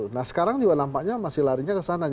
nah sekarang juga nampaknya masih larinya ke sana